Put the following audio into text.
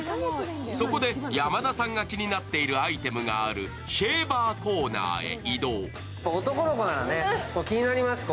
そこで山田さんが気になっているアイテムがあるシェーバーコーナーへ移動。